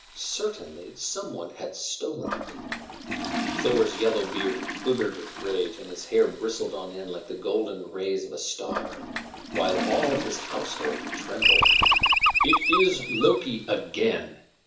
Certainly, some one had stolen it. Thor's yellow beard quivered with rage, and his hair bristled on end like the golden rays of a star, while all his household trembled. "It is Loki again!"